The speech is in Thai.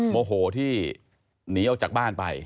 โมโหที่หนีออกจากบ้านไป